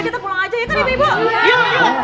kita pulang aja ya kan ibu